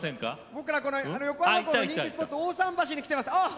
僕ら横浜港の人気スポット大さん橋に来てます。